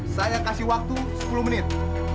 saya kasih waktu sepuluh menit